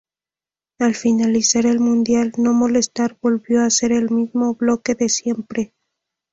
Al finalizar el mundial, No Molestar volvió a ser el mismo bloque de siempre.